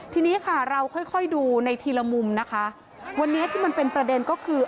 ทีนี้ค่ะเราค่อยค่อยดูในทีละมุมนะคะวันนี้ที่มันเป็นประเด็นก็คือ